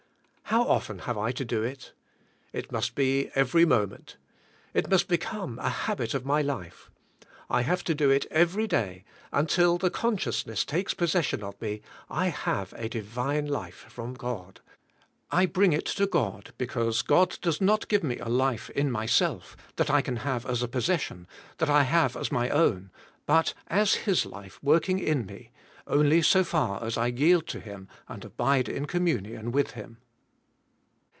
How often have I to do it ? It must be every moment. It must become a habit of my life. I have to do it every day, until the consciousness takes possession of me, I have a divine life from God; I bring it to God because God does not give me life in myself that I can have as a possession, that I have as my own, but as His life working in me only so far as I yield to Him and abide in communion with Him.